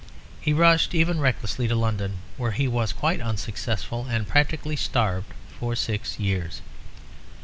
He rushed even recklessly to London; where he was quite unsuccessful and practically starved for six years.